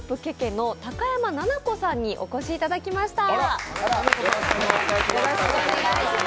ＫＥＫＥの高山菜々子さんにお越しいただきました。